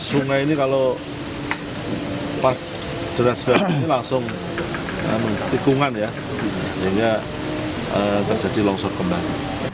sungai ini kalau pas deras garam langsung tikungan ya sehingga terjadi longsor kembali